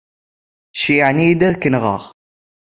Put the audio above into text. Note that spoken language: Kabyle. Ceyyɛen-iyi-d ad k-nɣeɣ.